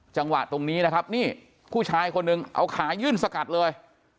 จังหวะตรงนี้นะครับนี่ผู้ชายคนหนึ่งเอาขายื่นสกัดเลย